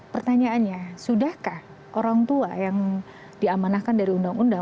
pertanyaannya sudahkah orang tua yang diamanahkan dari undang undang